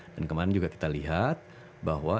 dan kemarin juga kita lihat bahwa